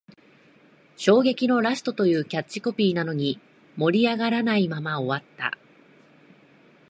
衝撃のラストというキャッチコピーなのに、盛り上がらないまま終わった